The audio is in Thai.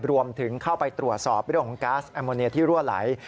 รวมถึงเข้าไปตรวจสอบเรื่องของก๊าซแอมโมเนียที่รั่วไหล